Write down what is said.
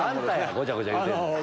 ごちゃごちゃ言うてんの。